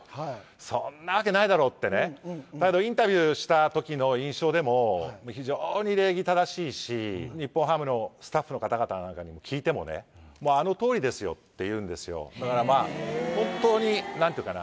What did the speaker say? そんなわけないだろうってねだけどインタビューした時の印象でも非常に礼儀正しいし日本ハムのスタッフの方々なんかにも聞いてもねあのとおりですよって言うんですよだからまあ本当に何ていうかな